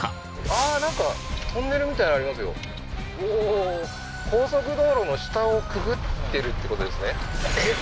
ああーなんかトンネルみたいなのありますよおおー高速道路の下をくぐってるってことですねえっ？